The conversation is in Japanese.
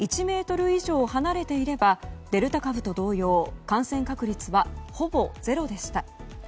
１ｍ以上離れていればデルタ株と同様感染確率は、ほぼゼロでした。